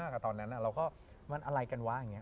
เราก็ว่ามันอะไรกันวะ